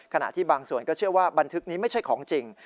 ขณะที่บางส่วนก็เชื่อว่าบันทึกนี้ไม่ใช่ของจริง